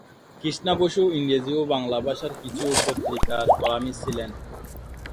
কৃষ্ণা বসু ইংরেজি ও বাংলা ভাষার কিছু পত্রিকার কলামিস্ট ছিলেন।